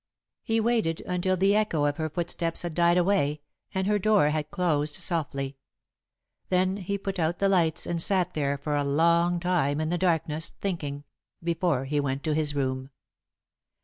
He waited until the echo of her footsteps had died away, and her door had closed softly. Then he put out the lights, and sat there for a long time in the darkness, thinking, before he went to his room.